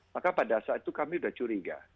maka pada saat itu kami sudah curiga